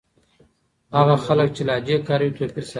هغه خلک چې لهجې کاروي توپير ساتي.